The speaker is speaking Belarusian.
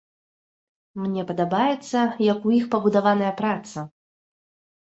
Мне падабаецца, як у іх пабудаваная праца.